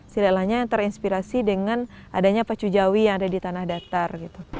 silanya yang terinspirasi dengan adanya pacu jawi yang ada di tanah datar